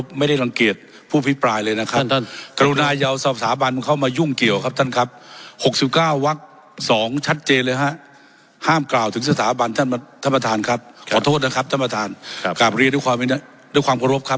เพื่อปกป้องตัวเองเสียมากกว่า